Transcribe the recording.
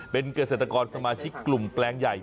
เป็นเกษตรกรสมาชิกกลุ่มแปลงใหญ่